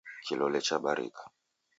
Kilole chabarika